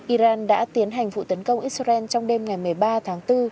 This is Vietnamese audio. iran đã tiến hành vụ tấn công israel trong đêm ngày một mươi ba tháng bốn